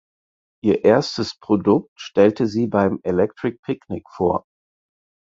Ihr erstes Produkt stelle sie beim "Electric Picnic" vor.